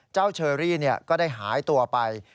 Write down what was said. เจ้าเชอรี่เนี่ยก็ได้หายตัวไป